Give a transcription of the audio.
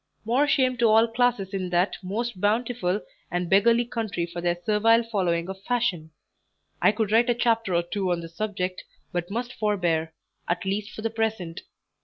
More shame to all classes in that most bountiful and beggarly country for their servile following of Fashion; I could write a chapter or two on this subject, but must forbear, at least for the present.